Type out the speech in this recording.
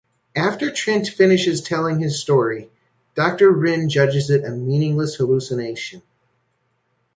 After Trent finishes telling his story, Doctor Wrenn judges it a meaningless hallucination.